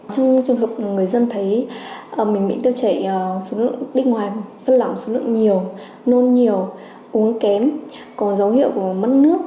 trong trường hợp người dân thấy mình bị tiêu chảy đích ngoài phân lỏng số lượng nhiều nôn nhiều uống kém có dấu hiệu của mất nước